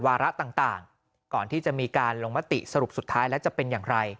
วาระต่างก่อนที่จะมีการลงมติสรุปสุดท้ายแล้วจะเป็นอย่างไร